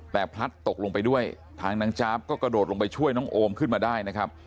แต่พลัดตกลงไปด้วยทางนางจ๊าบก็กระโดดลงไปช่วยน้องโอมขึ้นมาได้นะครับ